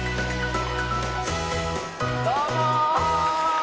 どうも！